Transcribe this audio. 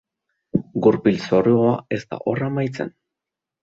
Gurpil zoroa ez da hor amaitzen.